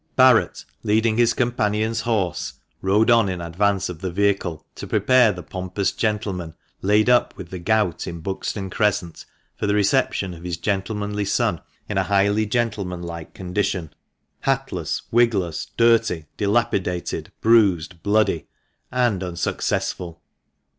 Barret, leading his companion's horse, rode on in advance of the vehicle, to prepare the pompous gentleman, laid up with the gout in Buxtpn Crescent, for the reception of his gentlemanly son in a highly gentlemanlike condition — hatless, wigless, dirty, dilapidated, bruised, bloody — and unsuccessful.